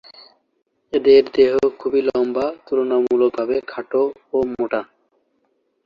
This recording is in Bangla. এদের দেহ খুবই লম্বা, তুলনামূলক ভাবে খাটো ও মোটা।